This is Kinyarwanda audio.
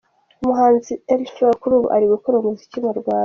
Umuhanzi R Flow kuri ubu ari gukorera umuziki mu Rwanda.